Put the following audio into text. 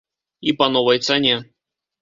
І па новай цане.